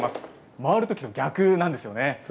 回るときと逆なんですよね。